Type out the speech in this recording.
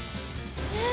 え？